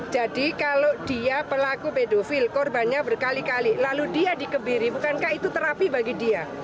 jadi kalau dia pelaku pedofil korbannya berkali kali lalu dia dikebiri bukankah itu terapi bagi dia